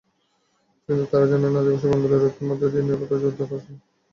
কিন্তু তাঁরা জানেন না, আদিবাসী-বাঙালির ঐক্যের মধ্য দিয়েই নিরাপত্তা জোরদার করা সম্ভব।